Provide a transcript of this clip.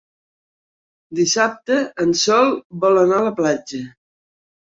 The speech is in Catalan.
Dissabte en Sol vol anar a la platja.